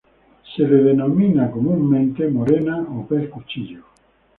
Es denominada comúnmente morena o pez cuchillo.